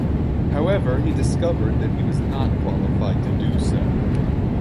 However, he discovered that he was not qualified to do so.